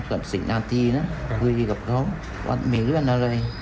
เกือบ๑๐นาทีนะคุยกับเขาว่ามีเรื่องอะไร